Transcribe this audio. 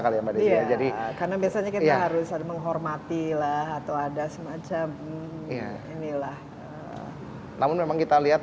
kalimat iya jadi karena biasanya kita harus menghormati lah atau ada semacam inilah namun memang kita lihat